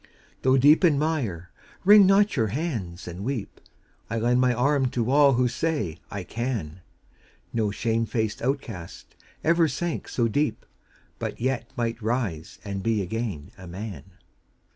Though deep in mire, wring not your hands and weep; I lend my arm to all who say "I can!" No shame faced outcast ever sank so deep, But yet might rise and be again a man